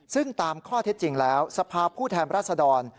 ซึ่งตามข้อเท็จจริงแล้วสภาพผู้แทนรัศดร